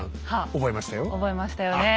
覚えましたよねえ。